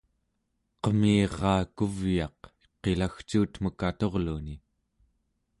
qemiraa kuvyaq qilagcuutmek aturluni